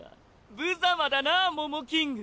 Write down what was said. ぶざまだなモモキング！